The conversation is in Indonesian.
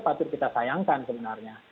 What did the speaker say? patut kita sayangkan sebenarnya